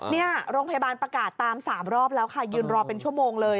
นี่โรงพยาบาลประกาศตาม๓รอบแล้วค่ะยืนรอเป็นชั่วโมงเลย